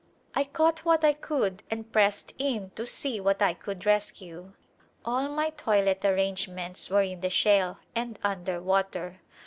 I caught what I could and pressed in to see what I could rescue. All my toilet arrangements were in the shale and under water.